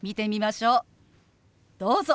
どうぞ。